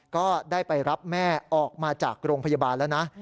ก็ได้ไปรับแม่ออกมาจากโรงพยาบาลแล้วนะ